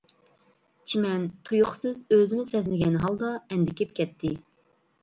چىمەن تۇيۇقسىز ئۆزىمۇ سەزمىگەن ھالدا ئەندىكىپ كەتتى.